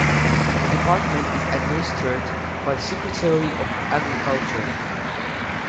The Department is administered by the Secretary of Agriculture.